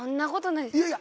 いやいや。